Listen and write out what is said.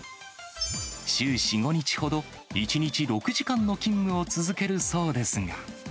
週４、５日ほど、１日６時間の勤務を続けるそうですが。